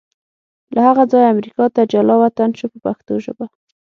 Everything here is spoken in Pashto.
له هغه ځایه امریکا ته جلا وطن شو په پښتو ژبه.